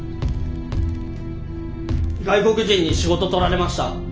外国人に仕事取られました！